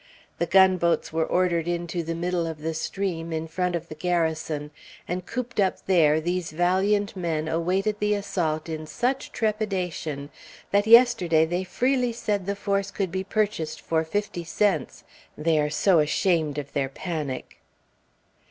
The gunboats were ordered into the middle of the stream, in front of the Garrison; and cooped up there, these valiant men awaited the assault in such trepidation that yesterday they freely said the force could be purchased for fifty cents, they are so ashamed of their panic.